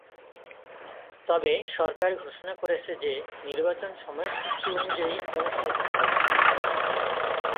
তবে সরকার ঘোষণা করেছে যে নির্বাচন সময়সূচি অনুযায়ী অনুষ্ঠিত হবে।